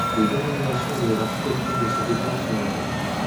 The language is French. Les dénominations de l'architecture de cette époque sont variables.